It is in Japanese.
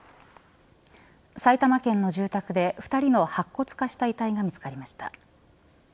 埼玉県の住宅で２人の白骨化した遺体が見つかりました。